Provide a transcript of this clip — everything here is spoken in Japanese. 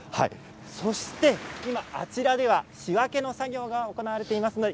そして、あちらでは仕分けの作業が行われています。